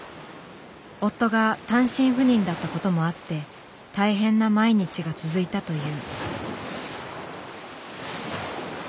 夫が単身赴任だったこともあって大変な毎日が続いたという。